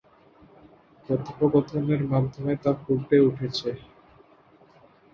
কথোপকথনের মাধ্যমে তা ফুটে উঠেছে।